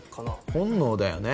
本能だよね